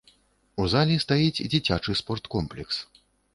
У залі стаіць дзіцячы спорткомплекс.